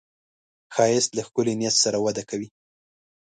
ښایست له ښکلي نیت سره وده کوي